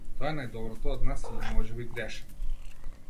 Тоа е најдоброто од нас или можеби грешам.